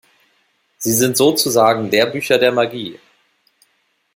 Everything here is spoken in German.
Sie sind sozusagen Lehrbücher der Magie.